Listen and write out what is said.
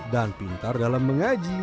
dan pintar dalam mengaji